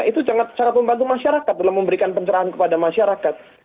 itu sangat membantu masyarakat dalam memberikan pencerahan kepada masyarakat